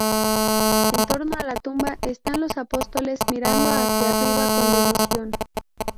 En torno a la tumba están los apóstoles, mirando hacia arriba con devoción.